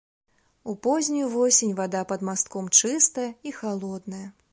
У познюю восень вада пад мастком чыстая і халодная.